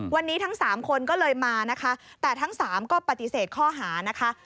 วันนี้ทั้งสามคนก็เลยมานะคะแต่ทั้งสามก็ปฏิเสธข้อหานะคะ